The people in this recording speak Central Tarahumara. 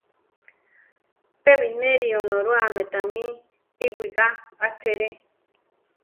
Pe bineri Onorúame tamí iwigá achere.